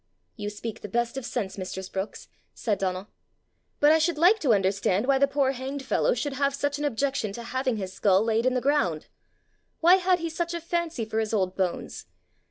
"You speak the best of sense, mistress Brookes," said Donal; "but I should like to understand why the poor hanged fellow should have such an objection to having his skull laid in the ground! Why had he such a fancy for his old bones?